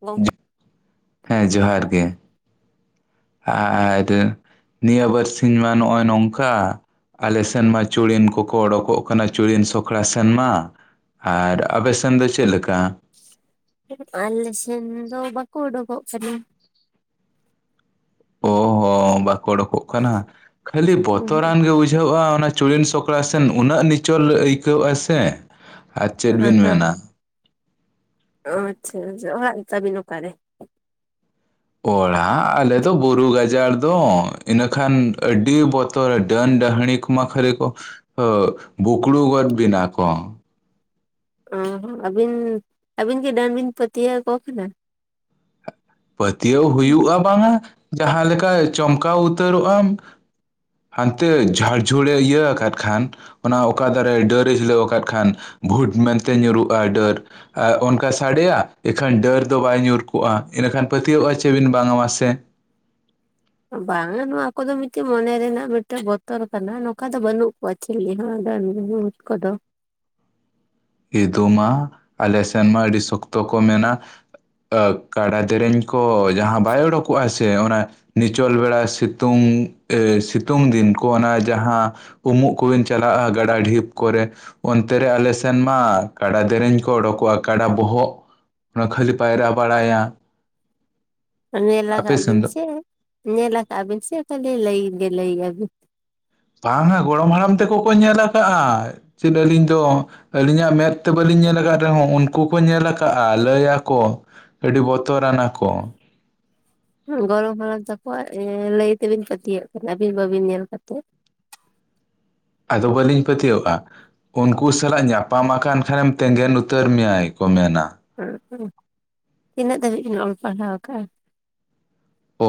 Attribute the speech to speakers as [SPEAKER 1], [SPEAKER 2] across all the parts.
[SPEAKER 1] ᱜᱚᱝᱠᱮ
[SPEAKER 2] [inaudible] ᱦᱮᱸ ᱡᱚᱦᱟᱨ ᱜᱮ ᱾ ᱟᱨ ᱰᱟᱹ ᱱᱤᱭᱟᱹ ᱵᱟᱨ ᱥᱤᱧ ᱢᱟ ᱱᱚᱜᱼᱚᱭ ᱱᱚᱝᱠᱟ ᱾ ᱟᱞᱮ ᱥᱮᱱ ᱢᱟ ᱪᱩᱲᱤᱱ ᱠᱚᱠᱚ ᱚᱰᱳᱠᱚᱜ ᱠᱟᱱᱟ ᱪᱩᱲᱤᱱ ᱥᱚᱠᱲᱟ ᱥᱮᱱ ᱢᱟ ᱾ ᱟᱨ ᱟᱯᱮ ᱥᱮᱱ ᱫᱚ ᱪᱮᱜ ᱞᱮᱠᱟ?
[SPEAKER 1] [inaudible] ᱟᱞᱮ ᱥᱮᱱ ᱫᱚ ᱵᱟᱠᱚ ᱩᱰᱳᱠᱚᱜ ᱠᱟᱱᱟ ᱾
[SPEAKER 2] ᱚ ᱦᱚᱸ ᱵᱟᱠᱚ ᱚᱰᱳᱠᱚᱜ ᱠᱟᱱᱟ ᱠᱷᱟᱹᱞᱤ
[SPEAKER 1] ᱦᱮᱸ ᱦᱮᱸ
[SPEAKER 2] ᱵᱚᱛᱚᱨᱟᱱ ᱜᱮ ᱵᱩᱡᱷᱟᱹᱜᱼᱟ ᱚᱱᱟ ᱪᱩᱲᱤᱱ ᱥᱚᱠᱲᱟ ᱥᱮᱱ ᱩᱱᱟᱹᱜ ᱱᱤᱪᱚᱞ ᱟᱹᱭᱠᱟᱹᱣ ᱟᱥᱮ ᱟᱨ ᱪᱮᱫ ᱵᱤᱱ ᱢᱮᱱᱟ ᱾
[SPEAKER 1] ᱚ ᱟᱪᱪᱷᱟ ᱡᱚᱦᱟᱜ ᱛᱟᱹᱵᱤᱱ ᱚᱠᱟᱨᱮ?
[SPEAKER 2] ᱚᱲᱟᱜ ᱟᱞᱮ ᱫᱚ ᱵᱩᱨᱩ ᱜᱟᱡᱟᱲ ᱫᱚ ᱤᱱᱟᱹᱠᱷᱟᱱ ᱟᱹᱰᱤ ᱵᱚᱛᱚᱨ ᱰᱟᱹᱱ ᱰᱟᱹᱦᱲᱤ ᱠᱚ ᱾ ᱢᱟᱠᱷᱤᱲᱤ ᱠᱚ [inaudible] ᱵᱩᱠᱩᱲᱩ ᱜᱚᱫ ᱵᱤᱱᱟ ᱠᱚ ᱾
[SPEAKER 1] ᱚ ᱦᱚᱸ ᱟᱹᱵᱤᱱ ᱟᱹᱵᱤᱱ ᱠᱤ ᱰᱟᱱ ᱵᱤᱱ ᱯᱟᱹᱛᱭᱟᱹᱣ ᱟᱠᱚ ᱠᱟᱱᱟ?
[SPEAKER 2] ᱯᱟᱹᱛᱭᱟᱹᱣ ᱦᱩᱭᱩᱜᱼᱟ ᱵᱟᱝᱟ ᱡᱟᱦᱟᱸ ᱞᱮᱠᱟ ᱪᱚᱢᱠᱟᱣ ᱩᱛᱟᱹᱨᱚᱜ ᱟᱢ ᱾ ᱦᱟᱱᱛᱮ ᱡᱷᱟᱲ ᱡᱷᱩᱲᱮ ᱤᱭᱟᱹ ᱟᱠᱟᱫ ᱠᱷᱟᱱ ᱚᱱᱟ ᱚᱠᱟ ᱫᱟᱨᱮ ᱰᱟᱹᱨᱮ ᱦᱤᱞᱟᱹᱣ ᱟᱠᱟᱫ ᱠᱷᱟᱱ ᱵᱷᱩᱴ ᱢᱮᱱᱛᱮ ᱧᱩᱨᱩᱜ-ᱟ ᱰᱟᱹᱨ᱾ ᱟᱨ ᱚᱱᱠᱟ ᱥᱟᱰᱮᱭᱟ ᱤᱠᱷᱟᱹᱱ ᱰᱟᱹᱨ ᱫᱚ ᱵᱟᱭ ᱧᱩᱨ ᱠᱚᱜ-ᱟ᱾ ᱤᱱᱟᱹᱠᱷᱟᱱ ᱯᱟᱹᱛᱭᱟᱹᱣᱚᱜ-ᱟ ᱪᱮᱵᱤᱱ ᱵᱟᱝᱟ ᱢᱟᱥᱮ?
[SPEAKER 1] ᱵᱟᱝᱟ ᱱᱚᱣᱟ ᱠᱚᱫᱚ ᱢᱤᱫᱴᱮᱡ ᱢᱚᱱᱮ ᱨᱮᱱᱟᱜ ᱢᱤᱫᱴᱮᱡ ᱵᱚᱛᱚᱨ ᱠᱟᱱᱟ ᱱᱚᱝᱠᱟ ᱫᱚ ᱵᱟᱹᱱᱩᱜ ᱠᱚᱣᱟ᱾ ᱪᱤᱞᱤ ᱦᱚᱸ ᱰᱟᱹᱱ, ᱵᱷᱩᱛ ᱠᱚᱫᱚ᱾
[SPEAKER 2] ᱤᱫᱩ ᱢᱟ ᱟᱞᱮ ᱥᱮᱱ ᱢᱟ ᱟᱹᱰᱤ ᱥᱚᱠᱛᱚ ᱠᱚ ᱢᱮᱱᱟ᱾ ᱠᱟᱰᱟ ᱫᱮᱨᱮᱧ ᱠᱚ ᱡᱟᱦᱟᱸ ᱵᱟᱭ ᱚᱰᱚᱠᱚᱜ-ᱟ ᱥᱮ ᱚᱱᱟ ᱱᱤᱪᱳᱞ ᱵᱮᱲᱟ ᱥᱤᱛᱩᱝ, ᱮᱸᱻ ᱥᱤᱛᱩᱝ ᱫᱤᱱ ᱠᱚ ᱚᱱᱟ ᱡᱟᱦᱟᱸ ᱩᱢᱩᱜ ᱠᱚᱵᱤᱱ ᱪᱟᱞᱟᱜ-ᱟ ᱜᱟᱰᱟ ᱰᱷᱤᱯ ᱠᱚᱨᱮ, ᱚᱱᱛᱮ ᱨᱮ ᱟᱞᱮ ᱥᱮᱱ ᱢᱟ ᱠᱟᱰᱟ ᱫᱮᱨᱮᱧ ᱠᱚ ᱚᱰᱚᱠᱚᱜ-ᱟ ᱠᱟᱰᱟ ᱵᱚᱦᱚᱜ ᱚᱱᱟ ᱠᱷᱟᱹᱞᱤ ᱯᱟᱭᱨᱟ ᱵᱟᱲᱟᱭᱟ᱾
[SPEAKER 1] ᱧᱮᱞ
[SPEAKER 2] ᱟᱯᱮ
[SPEAKER 1] ᱟᱠᱟᱜ
[SPEAKER 2] ᱥᱮᱱ
[SPEAKER 1] ᱵᱤᱱ
[SPEAKER 2] ᱫᱚ
[SPEAKER 1] ᱥᱮ, ᱧᱮᱞ ᱟᱠᱟᱜ ᱵᱤᱱ ᱥᱮ ᱠᱷᱟᱹᱞᱤ ᱞᱟᱹᱭ ᱜᱮ ᱞᱟᱹᱭᱫᱟᱵᱤᱱ?
[SPEAKER 2] ᱵᱟᱝᱟ ᱜᱚᱲᱚᱢ ᱦᱟᱲᱟᱢ ᱛᱮᱠᱚ ᱠᱚ ᱧᱮᱞ ᱟᱠᱟᱜ-ᱟ᱾ ᱪᱮᱫ ᱟᱹᱞᱤᱧ ᱫᱚ ᱟᱹᱞᱤᱧᱟᱜ ᱢᱮᱸᱫ ᱛᱮ ᱵᱟᱹᱞᱤᱧ ᱧᱮᱞ ᱟᱠᱟᱫ ᱨᱮᱦᱚᱸ ᱩᱱᱠᱩ ᱠᱚ ᱧᱮᱞ ᱠᱟᱜ-ᱟ ᱞᱟᱹᱭ ᱟᱠᱚ᱾ ᱟᱹᱰᱤ ᱵᱚᱛᱚᱨᱟᱱᱟ ᱠᱚ᱾
[SPEAKER 1] ᱜᱚᱲᱚᱢ ᱦᱟᱲᱟᱢ ᱛᱟᱠᱚᱣᱟᱜ ᱞᱟᱹᱭ, ᱞᱟᱹᱭ ᱛᱮᱵᱤᱱ ᱯᱟᱹᱛᱭᱟᱹᱜ ᱠᱟᱱᱟ ᱟᱹᱵᱤᱱ ᱵᱟᱹᱵᱤᱱ ᱧᱮᱞ ᱠᱟᱛᱮᱫ᱾
[SPEAKER 2] ᱟᱫᱚ ᱵᱟᱹᱞᱤᱧ ᱯᱟᱹᱛᱭᱟᱹᱣᱚᱜ-ᱟ᱾ ᱩᱱᱠᱩ ᱥᱟᱞᱟᱜ ᱧᱟᱯᱟᱢ ᱟᱠᱟᱱ ᱠᱷᱟᱱᱮᱢ ᱛᱮᱸᱜᱮᱱ ᱩᱛᱟᱹᱨ ᱢᱮᱭᱟᱭ ᱠᱚ ᱢᱮᱱᱟ᱾
[SPEAKER 1] ᱦᱩᱸᱜ-ᱩ, ᱛᱤᱱᱟᱹᱜ ᱫᱷᱟᱹᱵᱤᱡ ᱵᱤᱱ ᱚᱞ ᱯᱟᱲᱦᱟᱣ ᱠᱟᱜ-ᱟ?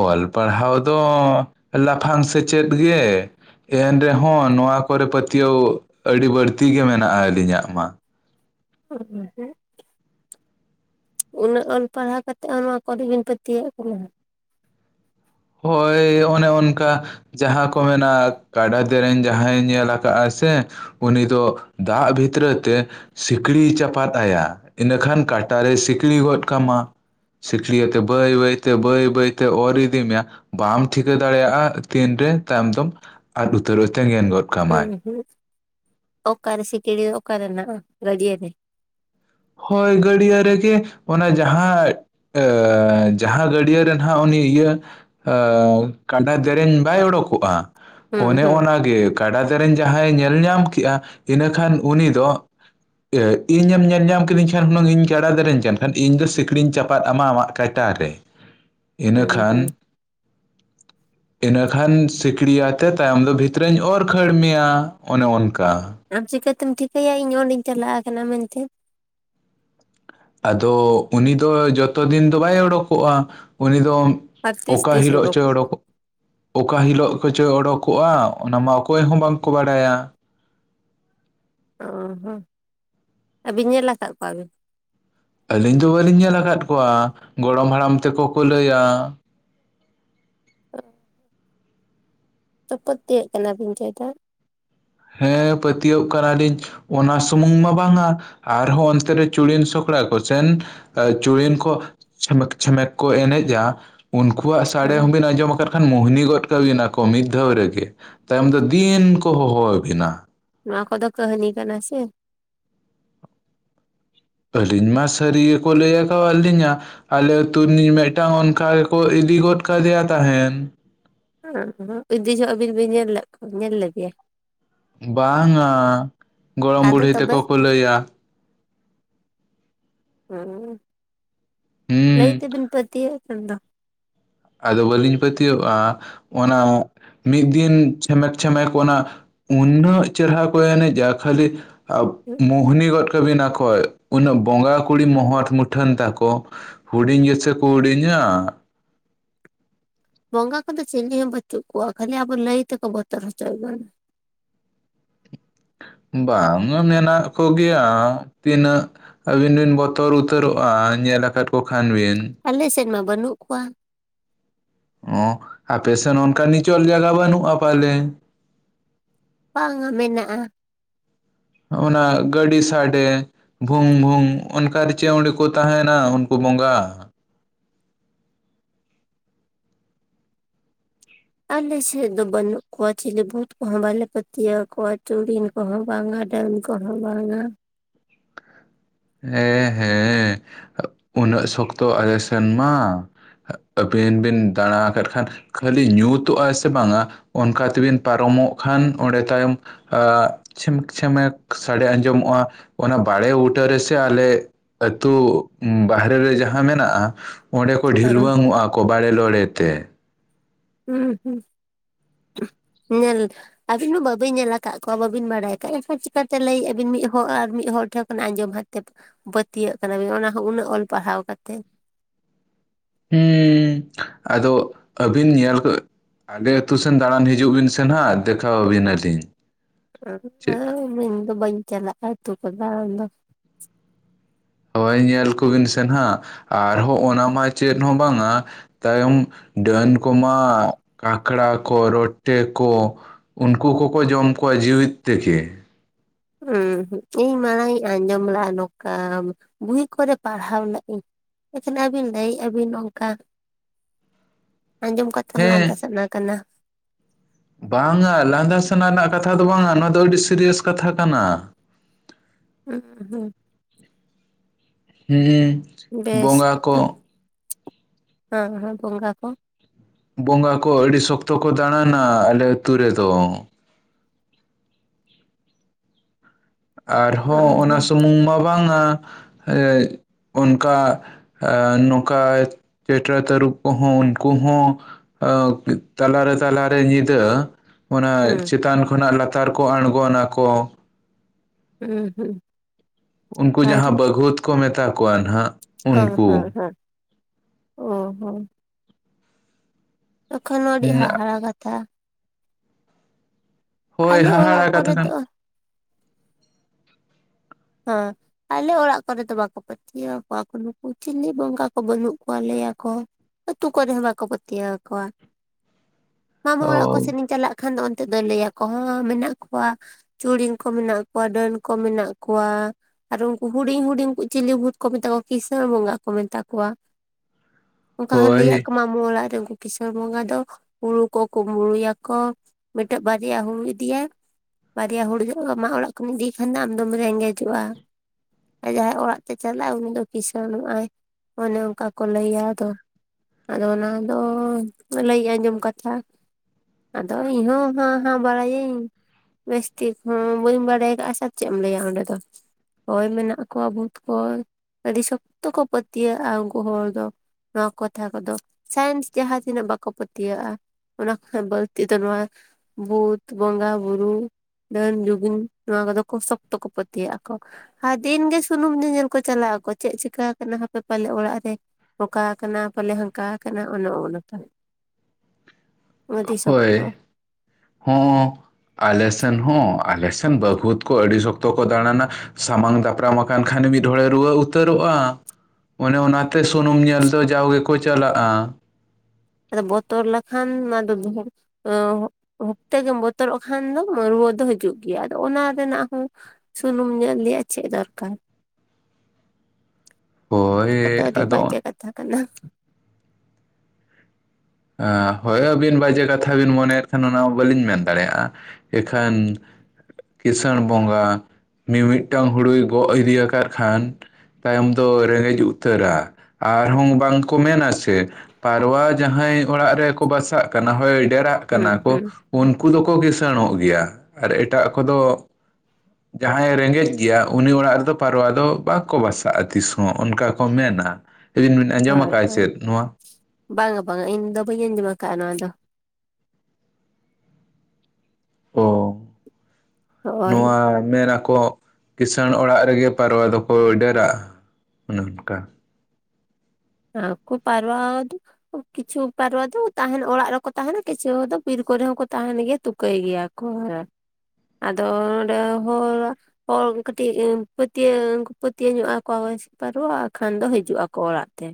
[SPEAKER 2] ᱚᱞ ᱯᱟᱲᱦᱟᱣ ᱫᱚ ᱞᱟᱯᱷᱟᱝ ᱥᱮᱪᱮᱫ ᱜᱮ᱾ ᱮᱱ ᱨᱮᱦᱚᱸ ᱱᱚᱣᱟ ᱠᱚᱨᱮ ᱯᱟᱹᱛᱭᱟᱹᱣ ᱟᱹᱰᱤ ᱵᱟᱹᱲᱛᱤ ᱜᱮ ᱢᱮᱱᱟᱜ-ᱟ ᱟᱹᱞᱤᱧᱟᱜ ᱢᱟ᱾
[SPEAKER 1] [unintelligible] ᱩᱱᱟᱹᱜ ᱚᱞ ᱯᱟᱲᱦᱟᱣ ᱠᱟᱛᱮᱜ ᱦᱚᱸ ᱱᱚᱣᱟ ᱠᱚᱨᱮ ᱵᱤᱱ ᱯᱟᱹᱛᱭᱟᱹᱜ ᱠᱟᱱᱟ?
[SPEAKER 2] ᱦᱳᱭ ᱚᱱᱮ ᱚᱱᱠᱟ᱾ ᱡᱟᱦᱟᱸ ᱠᱚ ᱢᱮᱱᱟ ᱠᱟᱰᱟ ᱫᱮᱨᱮᱧ ᱡᱟᱦᱟᱸᱭᱮ ᱧᱮᱞ ᱠᱟᱜ-ᱟ ᱥᱮ ᱩᱱᱤ ᱫᱚ ᱫᱟᱜ ᱵᱷᱤᱛᱨᱤ ᱛᱮ ᱥᱤᱠᱲᱤᱭ ᱪᱟᱯᱟᱫ ᱟᱭᱟ, ᱤᱱᱟᱹᱠᱷᱟᱱ ᱠᱟᱴᱟᱨᱮ ᱥᱤᱠᱲᱤ ᱜᱚᱫ ᱠᱟᱢᱟ᱾ ᱥᱤᱠᱞᱤ ᱟᱛᱮ ᱵᱟᱹᱭ ᱵᱟᱹᱭ ᱛᱮ, ᱵᱟᱹᱭ ᱵᱟᱹᱭ ᱛᱮ ᱟᱨ ᱤᱫᱤ ᱢᱮᱭᱟ᱾ ᱵᱟᱢ ᱴᱷᱤᱠᱟᱹ ᱫᱟᱲᱮᱭᱟᱜ-ᱟ ᱛᱤᱱ ᱨᱮ ᱛᱟᱭᱚᱢ ᱫᱚᱢ ᱟᱫ ᱩᱛᱟᱹᱨᱚᱜ ᱛᱮᱸᱜᱮᱱ ᱜᱚᱫ ᱠᱟᱢᱟᱭ
[SPEAKER 1] ᱩᱸ-ᱦᱩᱸᱜ, ᱚᱠᱟᱨᱮ ᱥᱤᱠᱲᱤ ᱫᱚ ᱚᱠᱟᱨᱮ ᱦᱮᱱᱟᱜ-ᱟ ᱜᱟᱹᱰᱤᱭᱟᱨᱮ?
[SPEAKER 2] ᱦᱳᱭ ᱜᱟᱹᱰᱭᱟᱹ ᱨᱮᱜᱮ ᱚᱱᱟ ᱡᱟᱦᱟᱸ ᱟᱹᱻ ᱡᱟᱦᱟᱸ ᱜᱟᱹᱰᱭᱟᱹ ᱨᱮ ᱱᱟᱜ ᱩᱱᱤ ᱤᱭᱟᱹ ᱠᱟᱰᱟ ᱫᱮᱨᱮᱧ ᱵᱟᱭ ᱚᱰᱚᱠᱚᱜ-ᱟ
[SPEAKER 1] ᱦᱩᱸ
[SPEAKER 2] ᱚᱱᱮ
[SPEAKER 1] ᱦᱩᱸ
[SPEAKER 2] ᱚᱱᱟᱜᱮ᱾ ᱠᱟᱰᱟ ᱫᱮᱨᱮᱧ ᱡᱟᱦᱟᱸᱭᱮ ᱧᱮᱞ ᱧᱟᱢ ᱠᱮᱜᱼᱟ ᱤᱱᱟᱹᱠᱷᱟᱱ ᱩᱱᱤ ᱫᱚ ᱮᱹᱻ ᱤᱧᱮᱢ ᱧᱮᱞᱧᱟᱢ [unintelligible] ᱤᱧ ᱠᱷᱟᱱ ᱦᱩᱱᱟᱹᱝ ᱤᱧ ᱠᱟᱰᱟ ᱫᱮᱨᱮᱧ ᱠᱟᱱ ᱠᱷᱟᱱ ᱤᱧ ᱫᱚ ᱥᱤᱠᱲᱤᱧ ᱪᱟᱯᱟᱫ ᱟᱢᱟ ᱟᱢᱟᱜ ᱠᱟᱴᱟ ᱨᱮ᱾ ᱤᱱᱟᱹ
[SPEAKER 1] ᱦᱩᱸ
[SPEAKER 2] ᱠᱷᱟᱱ
[SPEAKER 1] ᱦᱩᱸ
[SPEAKER 2] ᱤᱱᱟᱹ ᱠᱷᱟᱱ ᱥᱤᱠᱲᱤᱭᱟᱛᱮᱫ ᱛᱟᱭᱚᱢ ᱫᱚ ᱵᱷᱤᱛᱨᱟᱹᱧ ᱚᱨ ᱠᱷᱟᱹᱲ ᱢᱮᱭᱟ ᱚᱱᱮ ᱚᱱᱠᱟ᱾
[SPEAKER 1] ᱟᱢ ᱪᱤᱠᱟᱹᱛᱮᱢ ᱴᱷᱤᱠᱟᱹᱭᱟ ᱤᱧ ᱚᱸᱰᱮᱧ ᱪᱟᱞᱟᱣ ᱠᱟᱱᱟ ᱢᱮᱱᱛᱮ?
[SPEAKER 2] ᱟᱫᱚ ᱩᱱᱤ ᱫᱚ ᱡᱚᱛᱚ ᱫᱤᱱ ᱫᱚ ᱵᱟᱭ ᱚᱰᱚᱠᱚᱜ-ᱟ᱾ ᱩᱱᱤ ᱫᱚ
[SPEAKER 1] ᱟᱨ ᱛᱤᱥ
[SPEAKER 2] ᱚᱠᱟ
[SPEAKER 1] ᱛᱤᱥ
[SPEAKER 2] ᱦᱤᱞᱳᱜ ᱪᱚᱭ
[SPEAKER 1] ᱩᱰᱩᱠᱚᱜ
[SPEAKER 2] ᱚᱰᱚᱠᱚᱜ ᱚᱠᱟ ᱦᱤᱞᱳᱜ ᱠᱚ ᱪᱚᱭ ᱚᱰᱚᱠᱚᱜ-ᱟ ᱚᱱᱟ ᱢᱟ ᱚᱠᱚᱭ ᱦᱚᱸ ᱵᱟᱝᱠᱚ ᱵᱟᱲᱟᱭᱟ᱾
[SPEAKER 1] ᱚ ᱦᱚᱸ, ᱟᱹᱵᱤᱱ ᱧᱮᱞ ᱟᱠᱟᱜ ᱠᱚᱣᱟ ᱵᱤᱱ?
[SPEAKER 2] ᱟᱹᱞᱤᱧ ᱫᱚ ᱵᱟᱹᱞᱤᱧ ᱧᱮᱞ ᱟᱠᱟᱫ ᱠᱚᱣᱟ ᱜᱚᱲᱚᱢ ᱦᱟᱲᱟᱢ ᱛᱟᱠᱚ ᱠᱚ ᱞᱟᱹᱭᱟ᱾
[SPEAKER 1] [inaudible] ᱛᱚ ᱯᱟᱹᱛᱤᱭᱟᱜ ᱠᱟᱱᱟ ᱵᱤᱱ ᱪᱮᱫᱟ?
[SPEAKER 2] ᱦᱮᱸ ᱯᱟᱹᱛᱤᱭᱟᱹᱜ ᱠᱟᱱᱟᱞᱤᱧ ᱚᱱᱟ ᱥᱩᱢᱩᱝ ᱢᱟ ᱵᱟᱝᱟ ᱟᱨᱦᱚᱸ ᱚᱱᱛᱮ ᱨᱮ ᱪᱩᱲᱤᱱ ᱥᱚᱠᱲᱟ ᱠᱚᱥᱮᱱ ᱟ ᱪᱩᱲᱤᱱ ᱠᱚ ᱪᱷᱮᱢᱮᱠ ᱪᱷᱮᱢᱮᱠ ᱠᱚ ᱮᱱᱮᱡᱟ ᱟ, ᱩᱱᱠᱩᱣᱟᱜ ᱥᱟᱰᱮ
[SPEAKER 1] ᱦᱮᱸ
[SPEAKER 2] ᱦᱚᱸᱵᱤᱱ ᱟᱸᱡᱚᱢ ᱟᱠᱟᱫ ᱠᱷᱟᱱ ᱢᱩᱦᱱᱤ ᱜᱚᱫ ᱠᱟᱹᱵᱤᱱᱟ ᱠᱚ ᱢᱤᱫ ᱫᱷᱟᱹᱣ ᱨᱮᱜᱮ᱾ ᱛᱟᱭᱚᱢ ᱫᱚ ᱫᱤᱱ ᱠᱚ ᱦᱚᱦᱚᱣ ᱟᱹᱵᱤᱱᱟ,
[SPEAKER 1] ᱱᱚᱣᱟ ᱠᱚᱫᱚ ᱠᱟᱹᱦᱱᱤ ᱠᱟᱱᱟ ᱥᱮ?
[SPEAKER 2] ᱟᱹᱞᱤᱧ ᱢᱟ ᱥᱟᱹᱨᱤ ᱜᱮᱠᱚ ᱞᱟᱹᱭ ᱟᱠᱟᱣ ᱞᱤᱧᱟ᱾ ᱟᱞᱮ ᱟᱛᱩᱨ ᱱᱤᱡ ᱢᱮᱜᱴᱟᱝ ᱚᱱᱠᱟ ᱜᱮᱠᱚ ᱤᱫᱤ ᱜᱚᱫ ᱠᱟᱫᱮᱭᱟ ᱛᱟᱦᱮᱱ,
[SPEAKER 1] ᱤᱫᱤ ᱡᱚᱦᱚᱜ ᱟᱹᱵᱤᱱ ᱵᱤᱱ ᱧᱮᱞ ᱞᱮᱜ ᱠᱚᱣᱟ ᱧᱮᱞ ᱞᱮᱫᱮᱭᱟ?
[SPEAKER 2] ᱵᱟᱝᱟ ᱜᱚᱲᱚᱢ ᱵᱩᱲᱦᱤ ᱛᱮᱠᱚ ᱠᱚ ᱞᱟᱹᱭᱟ᱾
[SPEAKER 1] ᱚᱸ ᱞᱟᱹᱭ
[SPEAKER 2] ᱦᱩᱸ
[SPEAKER 1] ᱛᱮ ᱵᱤᱱ ᱯᱟᱹᱛᱤᱭᱟᱜ ᱠᱟᱱ ᱫᱚ,
[SPEAKER 2] ᱟᱫᱚ ᱵᱟᱹᱞᱤᱧ ᱯᱟᱹᱛᱭᱟᱹᱜ-ᱟ ᱚᱱᱟ ᱢᱤᱜ ᱫᱤᱱ ᱪᱷᱮᱢᱮᱠ ᱪᱷᱮᱢᱮᱠ ᱚᱱᱟ ᱩᱱᱟᱹᱜ ᱪᱮᱨᱦᱟ ᱠᱚ ᱮᱱᱮᱡᱟ ᱠᱷᱟᱹᱞᱤ ᱢᱩᱦᱱᱤ ᱜᱚᱫ ᱛᱟᱹᱵᱤᱱᱟᱠᱚ ᱩᱱᱟᱹᱜ ᱵᱚᱸᱜᱟ ᱠᱩᱲᱤ ᱢᱚᱦᱚᱨ ᱢᱩᱴᱷᱟᱹᱱ ᱛᱟᱠᱚ, ᱦᱩᱰᱤᱧ ᱜᱮᱥᱮ ᱠᱚ ᱦᱩᱰᱤᱧᱟ,
[SPEAKER 1] ᱵᱚᱸᱜᱟ ᱠᱚᱫᱚ ᱪᱮᱞᱮ ᱦᱚᱸ ᱵᱟᱹᱪᱩᱜ ᱠᱚᱣᱟ ᱠᱷᱟᱹᱞᱤ ᱟᱵᱚ ᱞᱟᱹᱭ ᱛᱮᱠᱚ ᱵᱚᱛᱚᱨ ᱦᱚᱪᱚᱭᱮᱜ ᱵᱚᱱᱟ᱾
[SPEAKER 2] ᱵᱟᱝᱟ ᱢᱮᱱᱟᱜ ᱠᱚᱜᱮᱭᱟ ᱛᱤᱱᱟᱹᱜ ᱟᱹᱵᱤᱱ ᱵᱤᱱ ᱵᱚᱛᱚᱨ ᱩᱛᱟᱹᱨᱚᱜ-ᱟ ᱧᱮᱞ ᱟᱠᱟᱫ ᱠᱚ ᱠᱷᱟᱱ ᱵᱤᱱ
[SPEAKER 1] ᱟᱞᱮᱥᱮᱫ ᱢᱟ ᱵᱟᱹᱱᱩᱜ ᱠᱚᱣᱟ,
[SPEAKER 2] ᱚ ᱟᱯᱮᱥᱱ ᱚᱱᱠᱟ ᱱᱤᱪᱚᱞ ᱡᱟᱭᱜᱟ ᱵᱟᱹᱱᱩᱜ-ᱟ ᱯᱟᱞᱮ
[SPEAKER 1] ᱵᱟᱝᱟ ᱢᱮᱱᱟᱜ-ᱟ
[SPEAKER 2] ᱚᱱᱟ ᱜᱟᱹᱰᱤ ᱥᱟᱰᱮ ᱵᱷᱩᱝᱵᱷᱩᱝ ᱚᱱᱠᱟᱛᱮ ᱪᱮ ᱚᱸᱰᱮ ᱠᱚ ᱛᱟᱦᱮᱱᱟ ᱩᱱᱠᱩ ᱵᱚᱸᱜᱟ
[SPEAKER 1] ᱟᱞᱮᱥᱮᱫ ᱫᱚ ᱵᱟᱹᱱᱩᱜ ᱠᱚᱣᱟ ᱪᱤᱞᱤ ᱵᱷᱩᱛ ᱠᱚᱦᱚᱸ ᱵᱟᱞᱮ ᱯᱟᱹᱛᱭᱟᱹᱣ ᱠᱚᱣᱟ ᱪᱩᱲᱤᱱ ᱠᱚᱦᱚᱸ ᱵᱟᱝᱟ ᱰᱟᱹᱱ ᱠᱚᱦᱚᱸ ᱵᱟᱝᱟ
[SPEAKER 2] ᱮᱸ ᱦᱮᱸ ᱩᱱᱟᱹᱜ ᱥᱚᱠᱛᱚ ᱟᱞᱮ ᱥᱮᱱ ᱢᱟ, ᱟᱹᱵᱤᱱ ᱵᱤᱱ ᱫᱟᱬᱟ ᱟᱠᱟᱫ ᱠᱷᱟᱱ ᱠᱷᱟᱹᱞᱤ ᱧᱩᱛᱚᱜ ᱟᱭ ᱥᱮ ᱵᱟᱝᱟ ᱚᱱᱠᱟ ᱛᱮᱵᱤᱱ ᱯᱟᱨᱚᱢᱚᱜ ᱠᱷᱟᱱ ᱚᱸᱰᱮ ᱛᱟᱭᱚᱢ ᱟᱸ ᱪᱷᱮᱢᱮᱠ ᱪᱷᱷᱤᱢᱮᱠ ᱥᱟᱰᱮ ᱟᱸᱡᱚᱢᱚᱜ-ᱟ ᱚᱱᱟ ᱵᱟᱲᱮ ᱵᱩ ᱴᱟᱹ ᱨᱮ ᱥᱮ ᱟᱞᱮ ᱟᱹᱛᱩ ᱵᱟᱦᱨᱮ ᱨᱮ ᱡᱟᱦᱟᱸ ᱢᱮᱱᱟᱜ-ᱟ, ᱚᱸᱰᱮ ᱠᱚ ᱰᱷᱤᱞᱣᱟᱹᱝ ᱚᱜ-ᱟ ᱠᱚ ᱵᱟᱲᱮ ᱞᱚᱲᱮ ᱛᱮ᱾
[SPEAKER 1] ᱩᱸ ᱦᱩᱸ ᱧᱮᱞ ᱟᱵᱤᱱ ᱢᱟ ᱵᱟᱵᱤᱱ ᱧᱮᱞ ᱟᱠᱟᱫ ᱠᱚᱣᱟ ᱵᱟᱹᱵᱤᱱ ᱵᱟᱰᱟᱭ ᱟᱠᱟᱫ ᱮᱱᱠᱷᱟᱱ ᱪᱤᱠᱟᱛᱮ ᱞᱟᱹᱭᱮᱜ-ᱟ ᱵᱤᱱ ᱢᱤᱫ ᱦᱚᱲ ᱟᱨ ᱢᱤᱫ ᱦᱚᱲ ᱴᱷᱮᱱ ᱚᱱᱟ ᱟᱸᱡᱚᱢ ᱦᱟᱛᱮᱫ ᱯᱟᱹᱛᱭᱟᱹᱜ ᱠᱟᱱᱟ ᱵᱤᱱ ᱚᱱᱟ ᱦᱚᱸ ᱩᱱᱟᱹᱜ ᱚᱞ ᱯᱟᱲᱦᱟᱣ ᱠᱟᱛᱮ
[SPEAKER 2] ᱦᱩᱸ ᱟᱫᱚ ᱟᱹᱵᱤᱱ ᱧᱮᱞ ᱠᱚ ᱟᱞᱮ ᱟᱹᱛᱩ ᱥᱮᱱ ᱫᱟᱬᱟᱱ ᱦᱤᱡᱩᱜ ᱵᱤᱱ ᱥᱮ ᱱᱦᱟᱜ ᱫᱮᱠᱷᱟᱣ ᱟᱵᱤᱱᱟᱞᱤᱧ᱾
[SPEAKER 1] ᱦᱮ ᱤᱧ ᱫᱚ ᱵᱟᱹᱧ ᱪᱟᱞᱟᱜ-ᱟ ᱟᱹᱛᱩ ᱠᱚ ᱫᱟᱬᱟᱱ ᱫᱚ
[SPEAKER 2] ᱦᱳᱭ ᱧᱮᱞ ᱠᱚᱵᱤᱱ ᱥᱮ ᱱᱦᱟᱜ ᱟᱨᱦᱚᱸ ᱚᱱᱟ ᱢᱟ ᱪᱮᱫ ᱦᱚᱸ ᱵᱟᱝᱟ ᱛᱟᱭᱚᱢ ᱰᱟᱹᱱ ᱠᱚᱢᱟ ᱠᱟᱠᱲᱟ ᱠᱚ ᱨᱚᱴᱮ ᱠᱚ ᱩᱱᱠᱩ ᱠᱚᱠᱚ ᱡᱚᱢ ᱠᱚᱣᱟ ᱡᱤᱣᱮᱫ ᱛᱮᱜᱮ᱾
[SPEAKER 1] ᱩᱸ ᱦᱩᱜ ᱤᱧ ᱢᱟᱲᱟᱝ ᱤᱧ ᱟᱸᱡᱚᱢ ᱞᱟᱜ-ᱟ ᱱᱚᱠᱟ ᱵᱩᱭ ᱠᱚᱨᱮ ᱯᱟᱲᱦᱟᱣ ᱞᱮᱜ ᱤᱧ, ᱮᱠᱷᱟᱱ ᱟᱹᱵᱤᱱ ᱞᱟᱹᱭᱮᱜ-ᱟ ᱵᱤᱱ ᱚᱝᱠᱟ ᱟᱸᱡᱚᱢ ᱠᱟ ᱛᱚ ᱞᱟᱸᱫᱟ ᱥᱟᱱᱟ ᱠᱟᱱᱟ᱾
[SPEAKER 2] ᱵᱟᱝᱼᱟ ᱞᱟᱸᱫᱟ ᱥᱟᱱᱟ ᱨᱮᱱᱟᱜ ᱠᱟᱛᱷᱟ ᱫᱚ ᱵᱟᱝᱟ ᱱᱚᱣᱟ ᱫᱚ ᱟᱹᱰᱤ ᱥᱤᱨᱤᱭᱟᱹᱥ ᱠᱟᱛᱷᱟ ᱠᱟᱱᱟ᱾
[SPEAKER 1] ᱦᱩᱸ ᱦᱩᱸ᱾
[SPEAKER 2] ᱦᱩᱸ᱾
[SPEAKER 1] ᱵᱮᱥ
[SPEAKER 2] ᱵᱚᱸᱜᱟ ᱠᱚ
[SPEAKER 1] ᱜᱮᱛᱚ ᱦᱮᱸ ᱦᱮᱸ ᱦᱮᱸ ᱵᱚᱸᱜᱟ ᱠᱚ᱾
[SPEAKER 2] ᱵᱚᱸᱜᱟ ᱠᱚ ᱟᱹᱰᱤ ᱥᱚᱠᱛᱚ ᱠᱚ ᱫᱟᱬᱟᱱᱟ ᱟᱞᱮ ᱟᱛᱳ ᱨᱮᱫᱚ᱾ ᱟᱨᱦᱚᱸ
[SPEAKER 1] ᱦᱮᱸ
[SPEAKER 2] ᱚᱱᱟ
[SPEAKER 1] ᱦᱮᱸ
[SPEAKER 2] ᱥᱩᱢᱩᱝ ᱢᱟ ᱵᱟᱝᱟ ᱮᱸᱜ ᱚᱱᱠᱟ ᱱᱚᱝᱠᱟ ᱪᱮᱴᱨᱟ ᱛᱟᱹᱨᱩᱵ ᱠᱚᱦᱚᱸ ᱩᱱᱠᱩ ᱦᱚᱸ, ᱚ, ᱛᱟᱞᱟᱨᱮ ᱛᱟᱞᱟᱨᱮ ᱧᱤᱫᱟᱹ ᱟ᱾ ᱚᱱᱟ
[SPEAKER 1] ᱦᱩᱸ
[SPEAKER 2] ᱪᱮᱛᱟᱱ ᱠᱷᱚᱱᱟᱜ ᱞᱟᱛᱟᱨ ᱠᱚ ᱟᱬᱜᱚᱱᱟᱠᱚ,
[SPEAKER 1] ᱦᱩᱸ ᱦᱩᱸ,
[SPEAKER 2] ᱩᱱᱠᱩ
[SPEAKER 1] ᱟᱨ
[SPEAKER 2] ᱡᱟᱦᱟᱸ ᱵᱟᱹᱜᱷᱩᱫ ᱠᱚ ᱢᱮᱛᱟ ᱠᱚᱣᱟ ᱱᱟᱦᱟᱜ᱾
[SPEAKER 1] ᱦᱮᱸ ᱦᱮᱸ
[SPEAKER 2] ᱩᱱᱠᱩ
[SPEAKER 1] ᱦᱮᱸ ᱚ ᱦᱳ, ᱮᱠᱷᱚᱱᱳ ᱟᱹᱰᱤ
[SPEAKER 2] ᱦᱩᱸ,
[SPEAKER 1] ᱦᱟᱦᱟᱲᱟ ᱠᱟᱛᱷᱟ᱾
[SPEAKER 2] ᱦᱳᱭ
[SPEAKER 1] ᱟᱞᱮ ᱚᱲᱟᱜ
[SPEAKER 2] ᱦᱟᱦᱟᱲᱟᱜ ᱠᱟᱛᱷᱟ
[SPEAKER 1] ᱠᱚᱨᱮ
[SPEAKER 2] ᱠᱷᱟᱱ,
[SPEAKER 1] ᱫᱚ ᱦᱟᱸ᱾ ᱟᱞᱮ ᱚᱲᱟᱜ ᱠᱚᱨᱮ ᱫᱚ ᱵᱟᱠᱚ ᱯᱟᱹᱛᱭᱟᱹᱣ ᱠᱚᱣᱟ ᱠᱚ ᱱᱩᱠᱩ ᱪᱤᱞᱤ ᱵᱚᱸᱜᱟ ᱠᱚ ᱵᱟᱹᱱᱩᱜ ᱠᱚᱣᱟ ᱞᱮᱭᱟᱠᱚ᱾ ᱟᱹᱛᱩ ᱠᱚᱨᱮ ᱦᱚᱸ ᱵᱟᱠᱚ ᱯᱟᱹᱭᱛᱟᱣ ᱟᱠᱚᱭᱟ᱾
[SPEAKER 2] [inaudible]
[SPEAKER 1] ᱢᱟᱢᱟ ᱚᱲᱟᱜ ᱠᱚ
[SPEAKER 2] ᱚ
[SPEAKER 1] ᱥᱮᱱ ᱤᱧ ᱪᱟᱞᱟᱜ ᱠᱷᱟᱱ ᱫᱚ ᱚᱱᱛᱮ ᱫᱚ ᱞᱟᱹᱭᱟᱠᱚ ᱦᱟᱸᱜ ᱢᱮᱱᱟᱜ ᱠᱚᱣᱟ ᱪᱩᱲᱤᱝ ᱠᱚ ᱢᱮᱱᱟᱜ ᱠᱚᱣᱟ ᱰᱟᱹᱱ ᱠᱚ ᱢᱮᱱᱟᱜ ᱠᱚᱣᱟ᱾ ᱠᱚᱣᱟ ᱟᱨ ᱩᱱᱠᱩ ᱦᱩᱰᱤᱧ ᱦᱩᱰᱤᱧ ᱠᱚ ᱪᱤᱞᱤ ᱵᱷᱩᱛ ᱠᱚ ᱢᱮᱛᱟ ᱠᱚᱣᱟ ᱠᱤᱥᱟᱹᱬ ᱵᱚᱸᱜᱟ ᱠᱚ ᱢᱮᱛᱟ ᱠᱚᱣᱟ᱾
[SPEAKER 2] [inaudible]
[SPEAKER 1] ᱚᱱᱠᱟᱦᱚᱸ ᱞᱟᱹᱭᱟ
[SPEAKER 2] ᱦᱳᱭ
[SPEAKER 1] ᱟᱠᱚ ᱢᱟᱢᱚ ᱠ ᱚᱲᱟᱜ ᱨᱮ ᱩᱱᱠᱩ, ᱠᱤᱥᱟᱹᱬ ᱵᱚᱸᱜᱟ ᱫᱚ ᱦᱩᱲᱩ ᱠᱚ ᱠᱩᱢᱩᱲᱩᱭᱟᱠᱚ ᱢᱤᱫᱴᱮᱡ ᱵᱟᱨᱭᱟ ᱦᱩᱲᱩ ᱤᱫᱤᱭᱟᱭ, ᱵᱟᱨᱭᱟ ᱦᱩᱲᱩ ᱫᱚ ᱟᱢᱟᱜ ᱚᱲᱟᱜ ᱠᱷᱚᱱᱤᱧ ᱤᱫᱤᱭ ᱠᱷᱟᱱ ᱫᱚ ᱟᱢ ᱫᱚᱢ ᱨᱮᱸᱜᱮᱡᱚᱜᱼᱟ᱾ ᱟᱨ ᱡᱟᱦᱟᱸᱭ ᱚᱲᱟᱜ ᱛᱮᱭ ᱪᱟᱞᱟᱜᱼᱟ ᱩᱱᱤ ᱫᱚ ᱠᱤᱥᱟᱹᱬᱚᱜ-ᱟᱭ ᱚᱱᱮ ᱚᱱᱠᱟ ᱠᱚ ᱞᱟᱹᱭᱟ ᱟᱫᱚ᱾ ᱟᱫᱚ ᱚᱱᱟ ᱫᱚ ᱞᱟᱹᱭ ᱟᱸᱡᱚᱢ ᱠᱟᱛᱷᱟ᱾ ᱟᱫᱚ ᱤᱧ ᱦᱚᱸ ᱦᱟᱜ ᱵᱟᱲᱟᱭᱟᱹᱧ ᱵᱮᱥ ᱴᱷᱤᱠ ᱦᱚᱸ ᱵᱟᱹᱧ ᱵᱟᱲᱟᱭ ᱟᱠᱟᱫᱼᱟ ᱥᱮ? ᱪᱮᱫ ᱮᱢ ᱞᱟᱹᱭᱟ ᱚᱸᱰᱮ ᱫᱚ, ᱦᱚᱭ ᱢᱮᱱᱟᱜ ᱠᱚᱣᱟ ᱵᱷᱩᱛ ᱠᱚᱭ ᱟᱹᱰᱤ ᱥᱚᱠᱛᱚ ᱠᱚ ᱯᱟᱹᱛᱭᱟᱹᱜᱼᱟ ᱩᱱᱠᱩ ᱦᱚᱲ ᱫᱚ, ᱱᱚᱣᱟ ᱠᱚᱛᱷᱟ ᱠᱚᱫᱚ ᱥᱟᱭᱮᱱᱥ ᱡᱟᱦᱟᱸ ᱛᱤᱱᱟᱹᱜ ᱵᱟᱠᱚ ᱯᱟᱹᱛᱭᱟᱹᱜᱼᱟ᱾ ᱚᱱᱟ ᱠᱷᱚᱱ ᱵᱟᱲᱛᱤ ᱫᱚ ᱱᱚᱣᱟ ᱵᱩᱫ ᱵᱚᱸᱜᱟ ᱵᱩᱨᱩ ᱰᱟᱹᱱ ᱡᱩᱜᱤᱱ ᱱᱚᱣᱟ ᱠᱚᱫᱚ, ᱥᱚᱠᱛᱚ ᱠᱚ ᱯᱟᱹᱛᱭᱟᱜ ᱟᱠᱚ᱾ ᱟᱨ ᱫᱤᱱ ᱜᱮ ᱥᱩᱱᱩᱢ ᱧᱮᱧᱮᱞ ᱠᱚ ᱪᱟᱞᱟᱜ ᱟᱠᱚ ᱪᱮᱫ ᱪᱤᱠᱟᱹ ᱠᱟᱱᱟ ᱦᱟᱯᱮ ᱯᱟᱞᱮ ᱚᱲᱟᱜ ᱨᱮ, ᱚᱠᱟ ᱠᱟᱱᱟ ᱯᱟᱞᱮ ᱦᱟᱱᱠᱟ ᱠᱟᱱᱟ ᱚᱱᱮ ᱚᱱᱚᱠᱟ᱾ ᱥᱚᱠᱛᱚ
[SPEAKER 2] ᱦᱳᱭ ᱦᱚᱸ ᱟᱞᱮ ᱥᱮᱱ ᱦᱚᱸ ᱟᱞᱮ ᱥᱮᱱ ᱵᱟᱹᱦᱩᱫ ᱠᱚ ᱟᱹᱰᱤ ᱥᱚᱠᱛᱚ ᱠᱚ ᱫᱟᱬᱟᱱᱟ ᱥᱟᱢᱟᱝ ᱫᱟᱯᱨᱟᱢ ᱠᱟᱱ ᱠᱷᱟᱱᱮ ᱢᱤᱫ ᱦᱚᱲᱮ ᱨᱩᱣᱟᱹ ᱩᱛᱟᱹᱨᱚᱜᱼᱟ᱾ ᱚᱱᱮ ᱚᱱᱟᱛᱮ ᱥᱩᱱᱩᱢ ᱧᱮᱞ ᱫᱚ ᱡᱟᱣ ᱜᱮᱠᱚ ᱪᱟᱞᱟᱜᱼᱟ᱾
[SPEAKER 1] ᱟᱫᱚ ᱵᱚᱛᱚᱨ ᱞᱮᱠᱷᱟᱱ ᱢᱟ ᱫᱚ ᱦᱚᱯᱛᱮ ᱜᱮᱢ ᱵᱚᱛᱚᱨᱚᱜ ᱠᱷᱟᱱ ᱫᱚ ᱨᱩᱣᱟᱹ ᱫᱚ ᱦᱤᱡᱩᱜ ᱜᱮᱭᱟ ᱟᱫᱚ ᱚᱱᱟ ᱨᱮᱱᱟᱜ ᱦᱚᱸ, ᱥᱩᱱᱩᱢ ᱧᱮᱞ ᱨᱮᱭᱟᱜ ᱪᱮᱫ ᱫᱚᱨᱠᱟᱨ? ᱚᱱᱟ ᱠᱚᱫᱚ
[SPEAKER 2] ᱦᱳᱭ
[SPEAKER 1] ᱟᱹᱰᱤ
[SPEAKER 2] ᱟᱫᱚ
[SPEAKER 1] ᱵᱟᱡᱮ ᱠᱟᱛᱷᱟ ᱠᱟᱱᱟ᱾
[SPEAKER 2] ᱦᱳᱭ ᱟᱹᱵᱤᱱ ᱵᱟᱡᱮ ᱠᱟᱛᱷᱟ ᱵᱤᱱ ᱢᱚᱱᱮᱭᱮᱫ ᱠᱷᱟᱱ ᱚᱱᱟ ᱦᱚᱸ ᱵᱟᱹᱞᱤᱧ ᱢᱮᱱ ᱫᱟᱲᱮᱭᱟᱜᱼᱟ ᱮ ᱠᱷᱟᱱ ᱠᱤᱸᱥᱟᱹᱬ ᱵᱚᱸᱜᱟ ᱢᱤᱢᱤᱫᱴᱟᱝ ᱦᱩᱲᱩᱭ ᱜᱚᱜ ᱤᱫᱤ ᱭᱟᱠᱟᱫ ᱠᱷᱟᱱ ᱛᱟᱭᱚᱢ ᱫᱚ ᱨᱮᱸᱜᱮᱡ ᱩᱛᱟᱹᱨᱟ᱾ ᱟᱨᱦᱚᱸ ᱵᱟᱝᱼᱠᱚ ᱢᱮᱱᱟ ᱥᱮ ᱯᱟᱨᱣᱟ ᱡᱟᱦᱟᱸᱭ ᱚᱲᱟᱜ ᱨᱮᱠᱚ ᱵᱟᱥᱟᱜ ᱠᱟᱱᱟ ᱦᱳᱭ ᱰᱮᱨᱟᱜ ᱠᱟᱱᱟ
[SPEAKER 1] ᱦᱩᱸ
[SPEAKER 2] ᱠᱚ
[SPEAKER 1] ᱦᱩᱸ
[SPEAKER 2] ᱩᱱᱠᱩ ᱫᱚᱠᱚ ᱠᱤᱥᱟᱹᱬᱚᱜ ᱜᱮᱭᱟ ᱟᱨ ᱮᱴᱟᱜ ᱠᱚᱫᱚ ᱡᱟᱦᱟᱸᱭᱮ ᱨᱮᱸᱜᱮᱡ ᱜᱮᱭᱟ ᱩᱱᱤ ᱚᱲᱟᱜ ᱨᱮᱫᱚ ᱯᱟᱨᱣᱟ ᱫᱚ ᱵᱟᱠᱚ ᱵᱟᱥᱟᱜᱼᱟ ᱛᱤᱥ ᱦᱚᱸ ᱚᱱᱠᱟ ᱠᱚ ᱢᱮᱱᱟ ᱟᱹᱵᱤᱱ ᱵᱤᱱ ᱟᱸᱡᱚᱢ ᱟᱠᱟᱜᱼᱟ ᱪᱮᱫ ᱱᱚᱣᱟ᱾
[SPEAKER 1] ᱵᱟᱝᱼᱟ ᱵᱟᱝᱼᱟ ᱤᱧ ᱫᱚ ᱵᱟᱹᱧ ᱟᱸᱡᱚᱢ ᱟᱠᱟᱫᱼᱟ ᱱᱚᱣᱟ ᱫᱚ᱾
[SPEAKER 2] ᱚᱻ
[SPEAKER 1] ᱱᱚᱜᱼᱚᱭ
[SPEAKER 2] ᱱᱚᱣᱟ ᱢᱮᱱ ᱟᱠᱚ ᱠᱤᱥᱟᱹᱬ ᱚᱲᱟᱜ ᱨᱮᱜᱮ ᱯᱟᱨᱣᱟ ᱫᱚᱠᱚ ᱰᱮᱨᱟᱜᱼᱟ ᱚᱱᱮ ᱚᱱᱠᱟ᱾
[SPEAKER 1] ᱟᱠᱩ ᱯᱟᱨᱣᱟᱫ ᱫᱚ ᱠᱤᱪᱷᱩ ᱯᱟᱨᱣᱟ ᱫᱚ ᱛᱟᱦᱮᱱ ᱚᱲᱟᱜ ᱨᱮᱠᱚ ᱛᱟᱦᱮᱱᱟ ᱠᱤᱪᱷᱩ ᱫᱚ ᱵᱤᱨ ᱠᱚᱨᱮ ᱦᱚᱸᱠᱚ ᱛᱟᱦᱮᱱ ᱜᱮᱭᱟ ᱛᱩᱠᱟᱹᱭ ᱜᱮᱭᱟ᱾ ᱠᱚ ᱦᱮᱸ ᱟᱫᱚ ᱚᱰᱮ ᱦᱚ ᱚᱲᱟᱜ ᱦᱚᱲ ᱠᱟᱹᱴᱤᱡ ᱯᱟᱹᱛᱭᱟᱹᱣ ᱩᱱᱠᱩ ᱯᱟᱹᱛᱭᱟᱹᱣ ᱧᱚᱜ ᱟᱠᱚᱣᱟ ᱯᱟᱨᱣᱟ ᱠᱷᱟᱱ ᱫᱚ ᱦᱤᱡᱩᱜ ᱟᱠᱚ ᱚᱲᱟᱜ᱾ ᱛᱮ,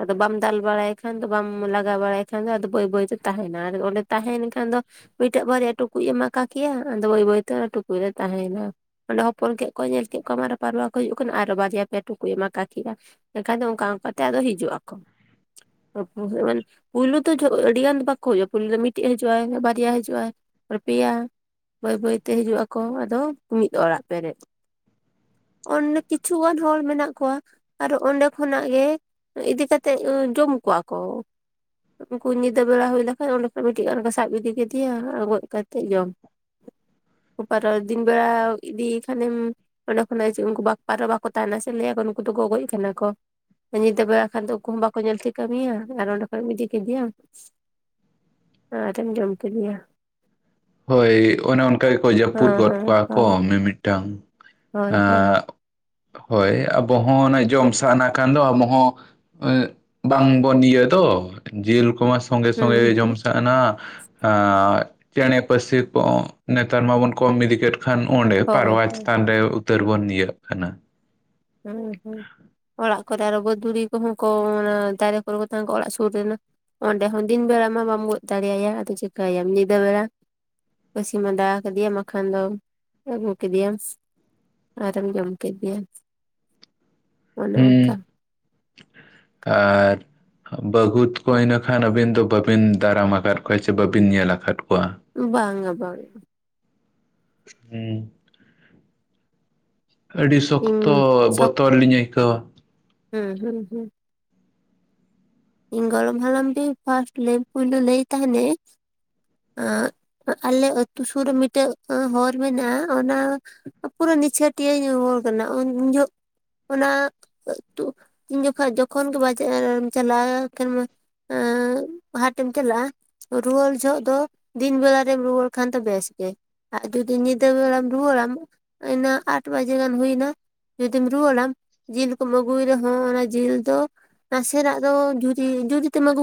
[SPEAKER 1] ᱟᱫᱚ ᱵᱟᱢ ᱫᱟᱞ ᱵᱟᱲᱟᱭ ᱠᱷᱟᱱ ᱫᱚ ᱵᱟᱢ ᱞᱟᱜᱟᱣ ᱵᱟᱲᱟᱭ ᱠᱷᱟᱱ ᱫᱚ ᱟᱫᱚ ᱵᱟᱹᱭ ᱵᱟᱹᱭᱛᱮ ᱛᱟᱦᱮᱱᱟ ᱟᱨ ᱚᱸᱰᱮ ᱛᱟᱦᱮᱭᱮᱱ ᱠᱷᱟᱱ ᱫᱚ ᱢᱤᱫ ᱴᱟᱜ ᱵᱟᱨᱭᱟ ᱴᱩᱠᱩᱡ ᱮᱢ ᱟᱠᱟ ᱠᱮᱭᱟ ᱟᱫᱚ ᱵᱟᱹᱭ ᱵᱟᱹᱭᱛᱮ ᱚᱱᱟ ᱴᱩᱠᱩᱡ ᱨᱮ ᱛᱟᱦᱮᱸᱭᱮᱱᱟ᱾ ᱚᱸᱰᱮ ᱦᱚᱯᱚᱱ ᱠᱮᱫ ᱠᱚᱣᱟᱭ ᱧᱮᱞ ᱠᱮᱫ ᱠᱚᱣᱟᱢ ᱟᱨᱚ ᱯᱟᱨᱣᱟ ᱠᱚ ᱦᱩᱭᱩᱜ ᱠᱟᱱᱟ ᱟᱨᱚ ᱵᱟᱨᱭᱟ ᱯᱮ ᱴᱩᱠᱩᱡ ᱮᱢ ᱟᱠᱟ ᱠᱮᱜᱼᱟ᱾ ᱮᱱᱠᱷᱟᱱ ᱫᱚ ᱚᱱᱠᱟ ᱚᱱᱠᱟᱛᱮ ᱟᱫᱚ ᱦᱤᱡᱩᱜ ᱟᱠᱚ᱾ ᱢᱟᱱᱮ ᱯᱩᱭᱞᱩ ᱫᱚ ᱡᱚ ᱟᱹᱰᱤ ᱜᱟᱱ ᱵᱟᱠᱚ ᱦᱩᱭᱩᱜᱼᱟ ᱯᱩᱭᱞᱩ ᱫᱚ ᱢᱤᱫ ᱴᱤᱡ ᱦᱤᱡᱩᱜᱼᱟᱭ ᱵᱟᱨᱭᱟ ᱦᱤᱡᱩᱜᱼᱟᱭ ᱯᱮᱭᱟ ᱵᱟᱹᱭ ᱵᱟᱹᱭᱛᱮ ᱦᱤᱡᱩᱜ ᱟᱠᱚ ᱟᱫᱚ ᱢᱤᱫ ᱚᱲᱟᱜ ᱯᱮᱨᱮᱡ᱾ ᱚᱱᱰᱮ ᱠᱤᱪᱷᱩ ᱜᱟᱱ ᱦᱚᱲ ᱢᱮᱱᱟᱜ ᱠᱚᱣᱟ ᱟᱨᱚ ᱚᱸᱰᱮ ᱠᱷᱚ ᱱᱟᱜ ᱜᱮ ᱤᱫᱤ ᱠᱟᱛᱮᱜ ᱡᱚᱢ ᱠᱚᱣᱟ ᱠᱚ᱾ ᱩᱱᱠᱩ ᱧᱤᱫᱟᱹ ᱵᱮᱲᱟ ᱦᱩᱭ ᱞᱮᱠᱷᱟᱡ ᱚᱸᱰᱮ ᱠᱷᱚᱱᱚᱡ ᱢᱤᱫᱴᱤᱡ ᱜᱟᱱ ᱠᱚ ᱥᱟᱵ ᱤᱫᱤ ᱠᱮᱫᱮᱭᱟ ᱟᱨ ᱜᱚᱡ ᱠᱟᱛᱮᱫ ᱡᱚᱢ᱾
[SPEAKER 2] [inaudible]
[SPEAKER 1] ᱯᱟᱣᱨᱟᱹ ᱫᱤᱱ ᱵᱮᱲᱟ ᱤᱫᱤ ᱠᱷᱟᱱᱮᱢ ᱚᱸᱰᱮ ᱠᱷᱚᱱᱟᱜ ᱦᱤᱡᱩᱜ ᱩᱱᱠᱩ ᱵᱟᱠᱚ ᱯᱟᱣᱨᱟᱹ ᱵᱟᱠᱚ ᱛᱟᱦᱮᱱᱟ ᱥᱮ ᱞᱟᱹᱭᱟᱠᱚ ᱱᱩᱠᱩ ᱫᱚᱠᱚ ᱜᱚᱡ ᱠᱟᱱᱟ ᱠᱚ ᱛᱚᱵᱮ ᱮᱠᱷᱟᱱ ᱫᱚ ᱩᱱᱠᱩᱦᱚ ᱵᱟᱠᱚ ᱧᱮᱞᱛᱤ ᱠᱟᱹᱢᱤᱭᱟ ᱟᱨ ᱚᱰᱮ ᱠᱷᱚᱡ ᱮᱢ ᱤᱫᱤ ᱠᱮᱫᱮ ᱭᱟᱢ ᱟᱨ ᱮᱢ ᱡᱚᱢ ᱠᱮᱫᱮᱭᱟ
[SPEAKER 2] ᱦᱳᱭ ᱚᱱᱮ ᱚᱱᱠᱟ ᱜᱮᱠᱚ ᱡᱟᱹᱯᱩᱫ
[SPEAKER 1] ᱦᱮᱸ
[SPEAKER 2] ᱜᱚᱫ
[SPEAKER 1] ᱦᱮᱸ
[SPEAKER 2] ᱠᱚᱣᱟ ᱠᱚ
[SPEAKER 1] ᱦᱳᱭ
[SPEAKER 2] ᱢᱤᱢᱤᱫ ᱴᱟᱝ
[SPEAKER 1] ᱦᱳᱭ
[SPEAKER 2] ᱮᱼᱼ
[SPEAKER 1] ᱦᱳᱭ
[SPEAKER 2] ᱦᱳᱭ ᱟᱵᱚᱦ ᱦᱚᱸ ᱚᱱ ᱡᱚᱢ ᱥᱟᱦᱟᱱᱟ ᱠᱷᱟᱱ ᱫᱚ ᱟᱵᱚᱦ ᱦᱚᱸᱼᱼ ᱵᱟᱝ ᱵᱚᱱ ᱤᱭᱟᱹ ᱛᱚ ᱡ ᱨᱚᱠᱚᱢᱼᱼ ᱥᱚᱸᱜᱮ ᱥᱚᱸᱜᱮ
[SPEAKER 1] ᱦᱩᱸ
[SPEAKER 2] ᱡᱚᱢ
[SPEAKER 1] ᱦᱩᱸ
[SPEAKER 2] ᱥᱟᱱᱟᱼᱼ ᱪᱮᱬᱮᱸ ᱯᱟᱹᱨᱥᱤ ᱠᱚ ᱱᱮᱛᱟᱨ ᱢᱟᱵᱚᱱ ᱠᱚᱢ ᱤᱫᱤ ᱠᱮᱫ ᱠᱷᱟᱱ ᱚᱸᱰᱮ
[SPEAKER 1] ᱦᱳᱭ
[SPEAKER 2] ᱯᱟᱨᱣᱟ
[SPEAKER 1] ᱦᱳᱭ
[SPEAKER 2] ᱪᱮᱛᱟᱱ ᱨᱮᱼᱼ ᱩᱛᱟᱹᱨ ᱵᱚᱱ ᱤᱭᱟᱹᱜ ᱠᱟᱱᱟ᱾
[SPEAKER 1] ᱦᱩᱸ ᱦᱩᱸ ᱚᱲᱟᱜ ᱠᱚᱨᱮ ᱟᱨᱚ ᱵᱟᱹᱫᱩᱲᱤ ᱠᱚᱦᱚᱸ ᱠᱚ ᱫᱟᱨᱮ ᱠᱚᱨᱮ ᱠᱚ ᱛᱟᱦᱮᱸ ᱠᱚ ᱚᱲᱟᱜ ᱥᱩᱨ ᱨᱮᱱᱟᱜᱼᱼ ᱚᱸᱰᱮ ᱦᱚᱸ ᱫᱤᱱ ᱵᱮᱲᱟ ᱢᱟ ᱵᱟᱢ ᱜᱚᱫ ᱫᱟᱲᱮᱭᱟᱭᱟ ᱟᱫᱚ ᱪᱤᱠᱟᱹᱭᱟᱢ ᱧᱤᱫᱟᱹ ᱵᱮᱲᱟ᱾ ᱯᱟᱹᱥᱤ ᱢᱟᱫᱟᱣ ᱠᱮᱫᱮᱭᱟᱢ ᱢᱟᱠᱷᱟᱱ ᱫᱚ ᱟᱹᱜᱩ ᱠᱮᱫᱮᱭᱟᱢ ᱟᱨᱟᱢ ᱡᱚᱢ ᱠᱮᱫᱮ
[SPEAKER 2] ᱦᱮᱸ ᱟᱨᱼᱼ ᱵᱟᱹᱜᱩᱫ ᱠᱚ ᱤᱱᱟᱹ ᱠᱷᱟᱱ ᱟᱹᱵᱤᱱ ᱫᱚ ᱵᱵᱤᱱ ᱫᱟᱨᱟᱢ ᱟᱠᱟᱫ ᱠᱚᱣᱟ ᱥᱮ ᱵᱟᱹᱵᱤᱱ ᱧᱮᱞ ᱟᱠᱟᱫ ᱠᱚᱣᱟ᱾
[SPEAKER 1] ᱵᱟᱝᱟ ᱵᱟᱝᱼᱟ
[SPEAKER 2] ᱦᱩᱢ ᱟᱹᱰᱤ
[SPEAKER 1] ᱤᱧ
[SPEAKER 2] ᱥᱚᱠᱛᱚ
[SPEAKER 1] ᱥᱚᱠ
[SPEAKER 2] ᱵᱚᱛᱚᱨ ᱞᱤᱧ ᱟᱹᱭᱠᱟᱹᱣᱟ ᱾
[SPEAKER 1] ᱦᱩᱸ ᱦᱩᱸ ᱦᱩᱸ᱾ ᱤᱧ ᱜᱚᱲᱚᱢ ᱦᱟᱲᱟᱢ ᱵ ᱯᱥᱴ ᱞᱮ ᱯᱩᱭᱞ ᱞᱮᱟᱹᱭ ᱛᱟᱦᱚᱞᱮ ᱟ ᱟᱞᱮ ᱟᱹᱛᱩ ᱥᱩᱨ ᱨᱮ ᱢᱤᱫᱴᱮᱡ ᱦᱚᱨ ᱢᱮᱱᱟᱜᱼᱟ ᱚᱱᱟ ᱯᱩᱨᱟᱹ ᱱᱤᱪᱷᱟᱹᱴᱤᱭᱟᱹ [unintelligible] ᱠᱟᱱᱟ ᱩᱱ ᱡᱚᱦᱚᱜ ᱚᱱᱟ ᱛᱤᱱ ᱡᱚᱠᱷᱟ ᱡᱚᱠᱷᱚᱱ ᱜᱮ ᱵᱟᱡᱢ ᱪᱟᱞᱟᱜᱼᱟ ᱟᱠᱷᱟᱱ [unintelligible] ᱢᱟ ᱦᱟᱴ ᱮᱢ ᱪᱟᱞᱟᱜ-ᱟ᱾ ᱨᱩᱣᱟᱹᱲ ᱡᱚᱦᱠᱷᱚᱜ ᱫᱚ ᱫᱤᱱ ᱵᱮᱞᱟ ᱨᱮᱢ ᱨᱩᱣᱟᱹᱲ ᱠᱷᱟᱱ ᱫᱚ ᱵᱮᱥ ᱜᱮ᱾ ᱟᱨ ᱡᱚᱫᱤ ᱧᱤᱫᱟᱹ ᱵᱮᱞᱟᱢ ᱨᱩᱣᱨᱟᱢ ᱱᱟ ᱟᱴ ᱵᱟᱡᱮ ᱜᱟᱱ ᱦᱩᱭᱱᱟ᱾ ᱡᱩᱫᱤᱢ ᱨᱩᱣᱟᱹᱲ ᱟᱢ ᱡᱤᱞ ᱠᱚᱢ ᱟᱹᱜᱩᱭ ᱨᱮᱦᱚᱸ ᱚᱱᱟ ᱡᱤᱞ ᱫᱚ ᱱᱟᱥᱮᱱᱟᱜ ᱫᱚ ᱡᱩ ᱡ ᱡᱩᱫᱤ ᱛᱮᱢ ᱟᱜᱩ